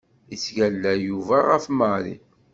Yettgalla Yuba ɣef Mary.